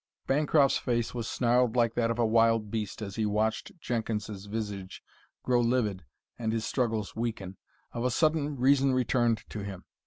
Bancroft's face was snarled like that of a wild beast as he watched Jenkins's visage grow livid and his struggles weaken. Of a sudden reason returned to him.